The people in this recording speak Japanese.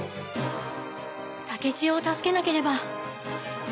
竹千代を助けなければ！